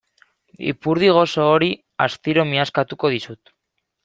Ipurdi gozo hori astiro miazkatuko dizut.